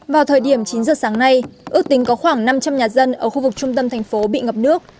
vào thời điểm chín giờ sáng nay ước tính có khoảng năm trăm linh nhà dân ở khu vực trung tâm thành phố bị ngập nước